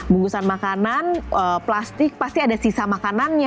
bungkusan makanan plastik pasti ada sisa makanannya